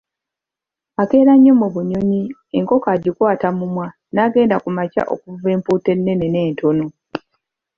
Akeera nnyo mu bunyonyi, enkoko agikwaata mumwa n'agenda ku makya okuvuba empuuta ennene n'entono.